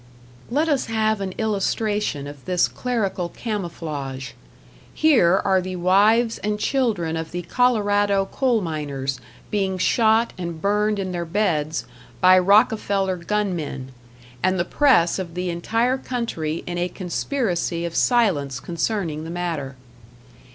Let us have an illustration of this clerical camouflage. Here are the wives and children of the Colorado coal miners being shot and burned in their beds by Rockefeller gun men, and the press of the entire country in a conspiracy of silence concerning the matter.